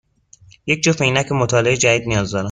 یک جفت عینک مطالعه جدید نیاز دارم.